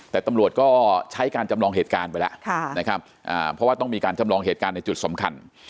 แต่ตำรวจก็ใช้การจำลองเหตุการณ์ไปแล้วนะครับเพราะว่าต้องมีการจำลองเหตุการณ์ในจุดสำคัญ